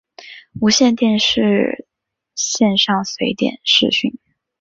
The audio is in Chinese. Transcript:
无线电视线上随点视讯